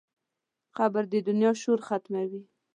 قبر د دنیا شور ختموي.